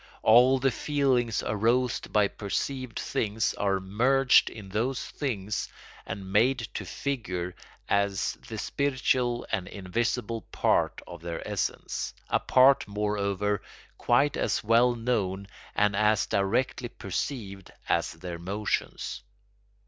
All the feelings aroused by perceived things are merged in those things and made to figure as the spiritual and invisible part of their essence, a part, moreover, quite as well known and as directly perceived as their motions.